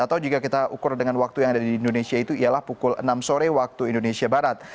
atau jika kita ukur dengan waktu yang ada di indonesia itu ialah pukul enam sore waktu indonesia barat